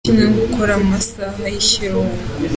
Ibi ni kimwe no gukora mu masaha y’ikiruhuko.